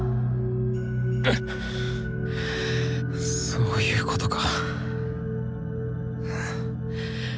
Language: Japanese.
そういうことか。